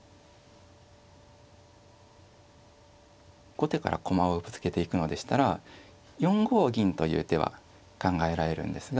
後手から駒をぶつけていくのでしたら４五銀という手は考えられるんですが。